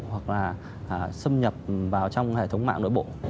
hoặc là xâm nhập vào trong hệ thống mạng nội bộ